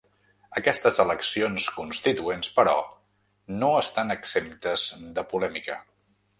Aquestes eleccions constituents, però, no estan exemptes de polèmica.